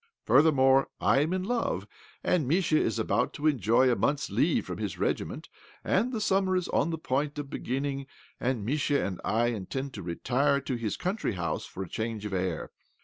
Furthermore, I am in love, and Mischa is abtout to enjoy a month's leave from his regiment, and the summer is on the point of beginning, and Mischa and I intend to retire to his country house for a change of air.